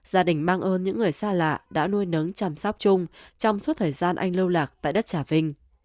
gia đình mang ơn những người xa lạ đã nuôi nấng chăm sóc chung trong suốt thời gian anh lâu lạc tại đất trà vinh